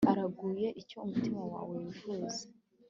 araguhe icyo umutima wawe wifuza